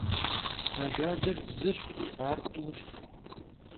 Ajjalır zış, ar t'uş.